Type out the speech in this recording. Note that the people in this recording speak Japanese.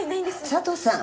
佐都さん。